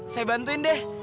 saya bantuin deh